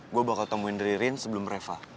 gue bakal temuin ririn sebelum reva